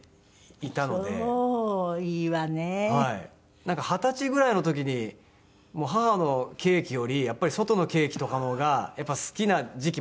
なんか二十歳ぐらいの時に母のケーキよりやっぱり外のケーキとかの方が好きな時期もあったんですけど。